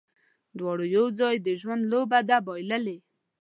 دواړو یو ځای، د ژوند لوبه ده بایللې